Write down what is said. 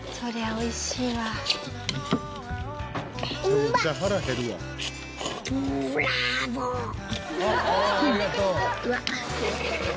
おっありがとう。